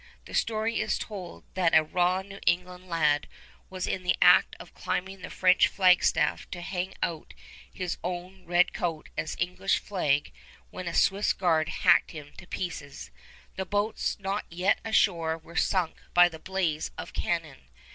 The story is told that a raw New England lad was in the act of climbing the French flagstaff to hang out his own red coat as English flag when a Swiss guard hacked him to pieces. The boats not yet ashore were sunk by the blaze of cannon.